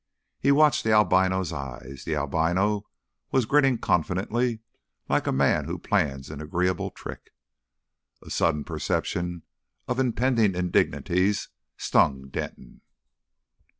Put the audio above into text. He watched the albino's eyes. The albino was grinning confidently, like a man who plans an agreeable trick. A sudden perception of impending indignities stung Denton.